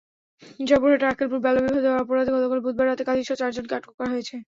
জয়পুরহাটের আক্কেলপুরে বাল্যবিবাহ দেওয়ার অপরাধে গতকাল বুধবার রাতে কাজিসহ চারজনকে আটক করা হয়েছে।